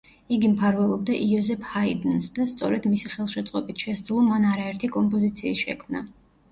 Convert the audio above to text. იგი მფარველობდა იოზეფ ჰაიდნს და სწორედ მისი ხელშეწყობით შესძლო მან არაერთი კომპოზიციის შექმნა.